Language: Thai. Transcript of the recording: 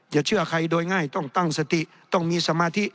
เชื่อใครโดยง่ายต้องตั้งสติต้องมีสมาธิ